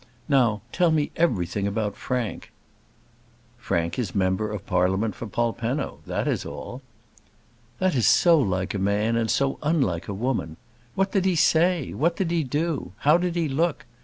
"Now tell me everything about Frank." "Frank is member of Parliament for Polpenno. That is all." "That is so like a man and so unlike a woman. What did he say? What did he do? How did he look?